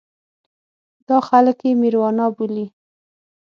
دا خلک یې مېروانا بولي.